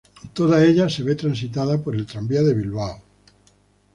Toda ella se ve transitada por el Tranvía de Bilbao.